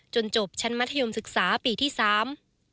จบชั้นมัธยมศึกษาปีที่สาม